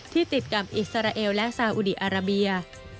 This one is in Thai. ติดกับอิสราเอลและซาอุดีอาราเบีย